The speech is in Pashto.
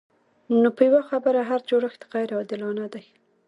نو په یوه خبره هر جوړښت غیر عادلانه دی.